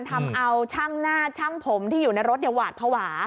ทำเอาช่างหน้าช่างผมที่อยู่ในรถหวาดภาวะ